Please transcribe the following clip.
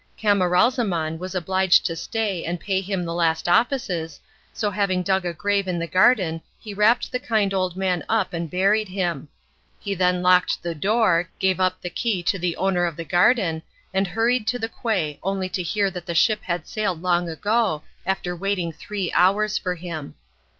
Camaralzaman was obliged to stay and pay him the last offices, so having dug a grave in the garden he wrapped the kind old man up and buried him. He then locked the door, gave up the key to the owner of the garden, and hurried to the quay only to hear that the ship had sailed long ago, after waiting three hours for him.